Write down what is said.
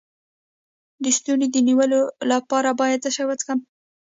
د ستوني د نیول کیدو لپاره باید څه شی وڅښم؟